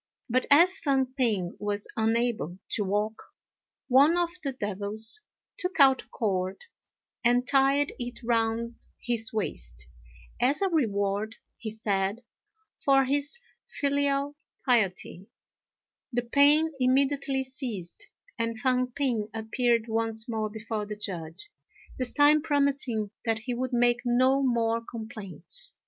But, as Fang p'ing was unable to walk, one of the devils took out a cord and tied it round his waist, as a reward, he said, for his filial piety. The pain immediately ceased, and Fang p'ing appeared once more before the Judge, this time promising that he would make no more complaints.